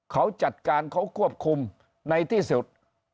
เขาจัดการเขาควบคุมในที่สุด